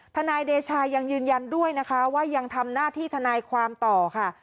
ทนายเดชายังยืนยันด้วยนะคะว่ายังทำหน้าที่ทนายความต่อค่ะ